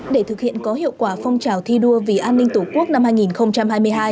để thực hiện có hiệu quả phong trào thi đua vì an ninh tổ quốc năm hai nghìn hai mươi hai